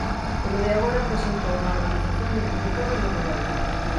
Polo de agora presentouno a organización de produtores de Burela.